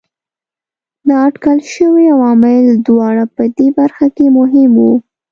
نااټکل شوي عوامل دواړه په دې برخه کې مهم وو.